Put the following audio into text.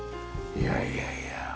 いやいやいや。